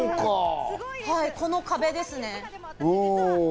この壁ですね。